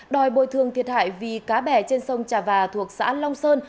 đòi bồi thường thiệt hại vì cá bè trên sông trà và thuộc xã long sơn